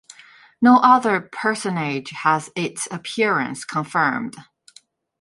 No other personage has its appearance confirmed.